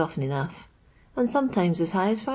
often enough ; and sometimes as high as 5«.